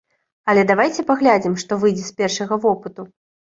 Але давайце паглядзім, што выйдзе з першага вопыту.